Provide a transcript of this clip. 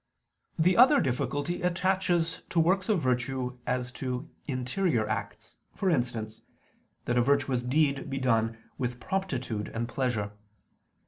The other difficulty attaches to works of virtue as to interior acts: for instance, that a virtuous deed be done with promptitude and pleasure.